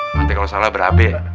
nanti kalau salah berabe